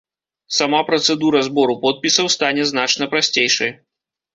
Сама працэдура збору подпісаў стане значна прасцейшай.